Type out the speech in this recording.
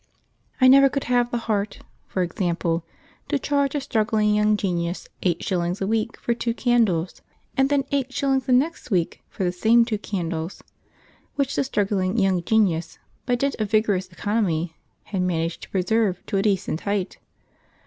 I never could have the heart, for example, to charge a struggling young genius eight shillings a week for two candles, and then eight shillings the next week for the same two candles, which the struggling young genius, by dint of vigorous economy, had managed to preserve to a decent height.